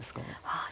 はい。